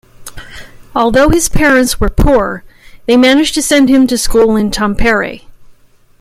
Although his parents were poor, they managed to send him to school in Tampere.